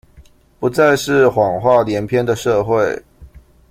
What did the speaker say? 不再是謊話連篇的社會